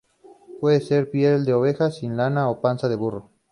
Puede ser piel de oveja sin lana o panza de burro.